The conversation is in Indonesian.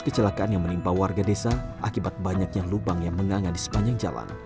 kelelakaan yang menimpa warga desa akibat banyaknya lubang yang menganggadi sepanjang jalan